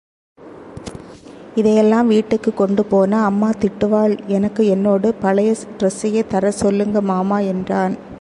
இதையெல்லாம் வீட்டுக்குக் கொண்டு போனா அம்மா திட்டுவாள் எனக்கு என்னோடு பழைய டிரஸ்ஸையே தரச் சொல்லுங்க மாமா என்றான்.